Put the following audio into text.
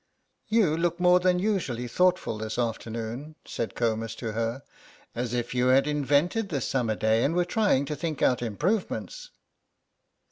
"You look more than usually thoughtful this afternoon," said Comus to her, "as if you had invented this summer day and were trying to think out improvements."